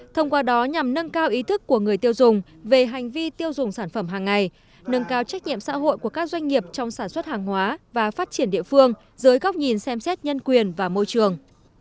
thông qua đó nhằm nâng cao ý thức của người tiêu dùng về hành vi tiêu dùng sản phẩm hàng ngày nâng cao trách nhiệm xã hội của các doanh nghiệp trong sản xuất hàng hóa và phát triển địa phương dưới góc nhìn xem xét nhân quyền và môi trường